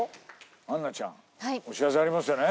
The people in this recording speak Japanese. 杏奈ちゃんお知らせありますよね？